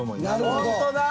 なるほど。